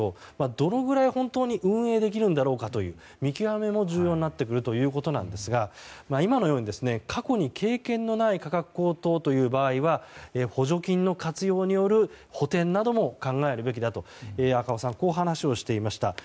どのぐらい、本当に運営できるんだろうかという見極めも重要になってくるということなんですが今のように過去に経験のない価格高騰という場合は補助金の活用による補填なども考えるべきだと赤尾さんは話していました。